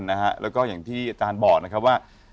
รับรู้กันนะฮะและก็อย่างที่อาจารย์บอกนะครับว่า